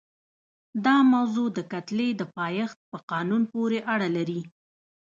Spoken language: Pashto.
دا موضوع د کتلې د پایښت په قانون پورې اړه لري.